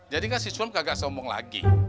jadikan si sulam kagak sombong lagi